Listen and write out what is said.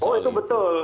oh itu betul